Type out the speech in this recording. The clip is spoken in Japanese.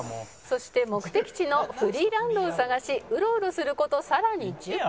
「そして目的地のフリーランドを探しうろうろする事さらに１０分」